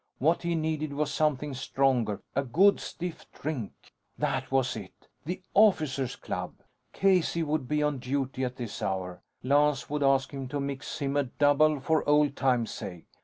What he needed was something stronger. A good stiff drink. That was it! The Officers Club. Casey would be on duty at this hour. Lance would ask him to mix him a double for old times' sake.